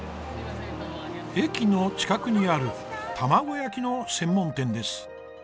駅の近くにある卵焼きの専門店です。